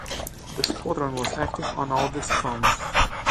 The Squadron was active on all these fronts.